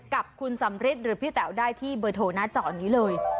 กับคุณสำริทหรือพี่แต๋วได้ที่เบอร์โทรหน้าจอนี้เลย